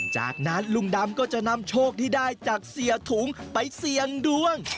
จากนั้นลุงดำก็จะนำโชคที่ได้จากเสียถุงไปเสี่ยงดวง